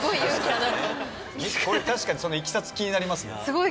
確かにいきさつ気になりますね。